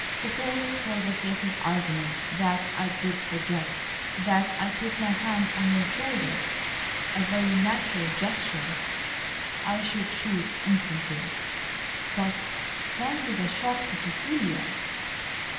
"Suppose, for the sake of argument, that I did forget,—that I put my hand on your shoulder—a very natural gesture." "I should shoot instantly." "But fancy the shock to Cecilia."